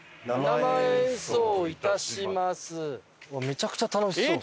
めちゃくちゃ楽しそう。